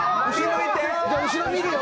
じゃあ後ろ見るよ。